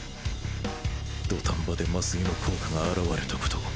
土壇場で麻酔の効果が表れたこと！